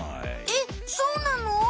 えっそうなの？